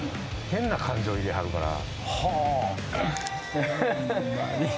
変な感情入れはるから。